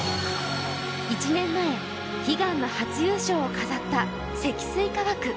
１年前、悲願の初優勝を飾った積水化学。